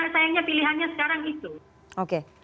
sayangnya pilihannya sekarang itu